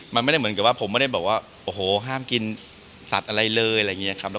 มันไม่ได้เหมือนผมว่าโอ้โหห้ามกินสัตว์อะไรเลย